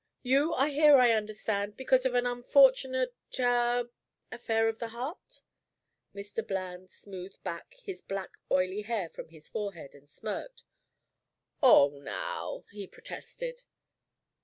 You are here, I understand, because of an unfortunate er affair of the heart?" Mr. Bland smoothed back his black oily hair from his forehead, and smirked. "Oh, now " he protested.